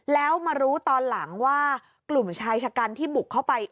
แล้วมารู้ตอนหลังว่ากลุ่มชายชะกันที่บุกเข้าไป